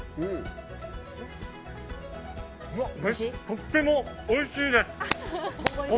とってもおいしいです。